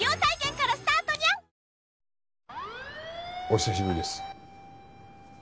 お久しぶりです。